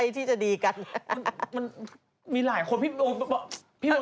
พูดก่อนฉันก็ขูมันอย่างงี้ฉันจะไม่อ่านอะไรอีกแล้วถ้าเธอไม่บอก